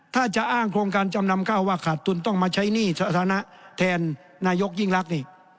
ถ้าจะอ้างโครงการจำนำข้าวว่าขาดทุนต้องมาใช้หนี้สถานะแทนนายกยิ่งรักนี่